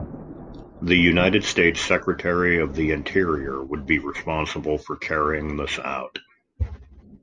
The United States Secretary of the Interior would be responsible for carrying this out.